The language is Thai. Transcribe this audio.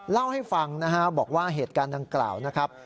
เล่าให้ฟังนะฮะบอกว่าเหตุการณ์ดังกล่าวนะครับ